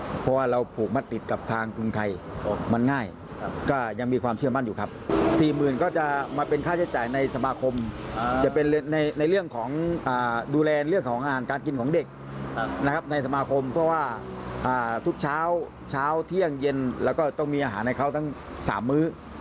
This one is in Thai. เพราะว่าเราผูกมัดติดกับทางกรุงไทยมันง่ายก็ยังมีความเชื่อมั่นอยู่ครับสี่หมื่นก็จะมาเป็นค่าใช้จ่ายในสมาคมจะเป็นในเรื่องของดูแลเรื่องของอาหารการกินของเด็กนะครับในสมาคมเพราะว่าทุกเช้าเช้าเที่ยงเย็นแล้วก็ต้องมีอาหารให้เขาทั้ง๓มื้อ